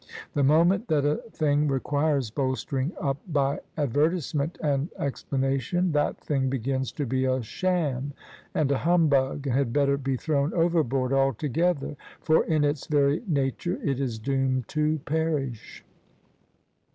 The moment that a thing requires bolstering up by advertisement and explanation, that thing begins to be a sham and a humbug, and had better be thrown overboard altogether: for in its very nature it is doomed to perish.